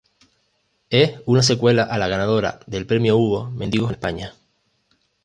Es una secuela a la ganadora del premio Hugo "Mendigos en España".